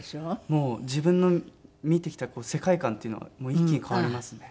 もう自分の見てきた世界観っていうのがもう一気に変わりますね。